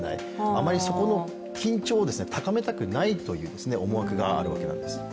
あまりそこの緊張を高めたくないという思惑があるわけなんです。